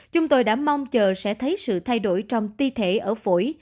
chúng tôi đã mong chờ sẽ thấy sự thay đổi trong ti thể ở phổi